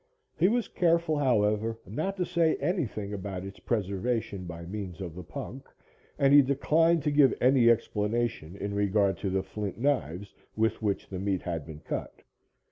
He was careful, however, not to say anything about its preservation by means of the punk, and he declined to give any explanation in regard to the flint knives with which the meat had been cut.